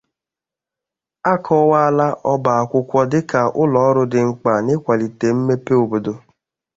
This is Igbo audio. A kọwaala ọba akwụkwọ dịka ụlọọrụ dị mkpà n'ịkwàlite mmepe obodo